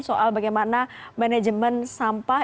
soal bagaimana manajemen sampah